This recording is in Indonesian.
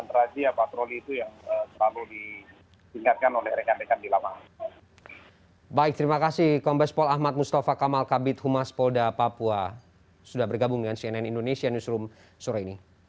dan terhadap patroli itu yang selalu diingatkan oleh rekan rekan di lama